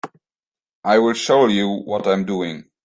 I'll show you what I'm doing.